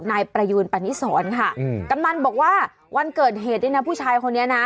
นายประยูนปณิสรค่ะอืมกำนันบอกว่าวันเกิดเหตุนี่นะผู้ชายคนนี้นะ